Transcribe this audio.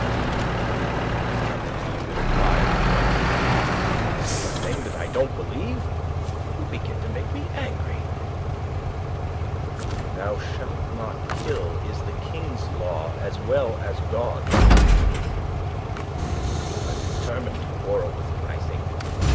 "What the devil do you imply, Andre? Should I say a thing that I don't believe? You begin to make me angry." "'Thou shalt not kill,' is the King's law as well as God's." "You are determined to quarrel with me, I think.